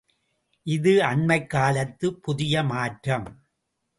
இது அண்மைக் காலத்துப் புதிய மாற்றம்.